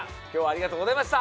ありがとうございます。